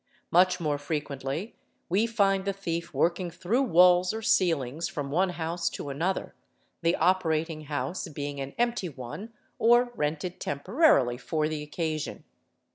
Much more frequently we find the thief working through walls or ceilings from one house to another, the operating house being an empty one or rented temporarily for the occasion.